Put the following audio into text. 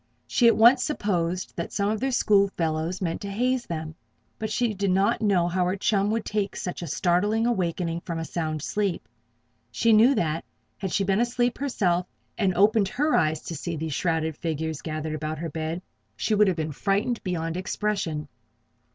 She at once supposed that some of their school fellows meant to haze them; but she did not know how her chum would take such a startling awakening from sound sleep. She knew that, had she been asleep herself and opened her eyes to see these shrouded figures gathered about her bed, she would have been frightened beyond expression.